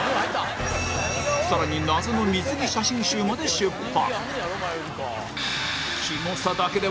更に謎の水着写真集まで出版